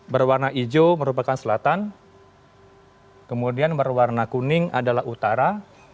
berwarna hijau merupakan selatan kemudian berwarna kuning adalah utara